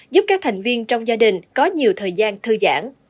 giúp các thành viên trong gia đình có nhiều thời gian thức